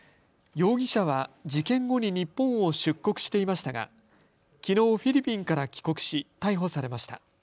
容疑者は事件後に日本を出国していましたが、きのう、フィリピンから帰国し逮捕されました。